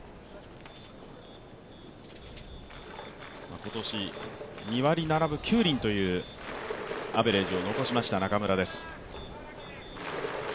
今年２割７分９厘というアベレージを残しました中村です。